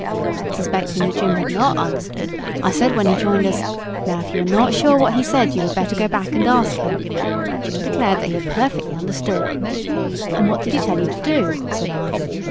Suspecting that Jim had not understood, I said when he joined us, 'Now if you are not sure what he said you had better go back and ask him,' but Jim declared that he had perfectly understood. 'And what did he tell you to do?' said I.